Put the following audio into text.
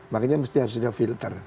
makanya mesti harus ada filter